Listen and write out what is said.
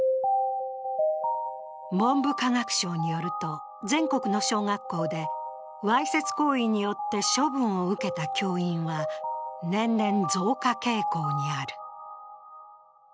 文部科学省によると、全国の小学校でわいせつ行為によって処分を受けた教員は年々、増加傾向にある。